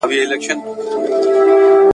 هرشاعر په قصیدو کي وي ستایلی !.